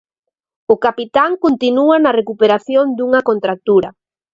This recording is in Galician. O capitán continúa na recuperación dunha contractura.